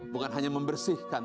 bukan hanya membersihkan